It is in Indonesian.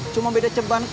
cuma beda ceban kok